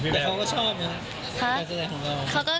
แต่เขาก็ชอบนะ